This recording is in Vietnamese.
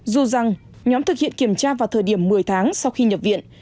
dù rằng nhóm thực hiện kiểm tra vào thời điểm một mươi tháng sau khi nhập viện